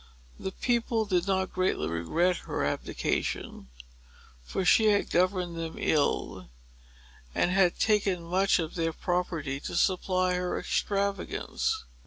The people did not greatly regret her abdication; for she had governed them ill, and had taken much of their property to supply her extravagance.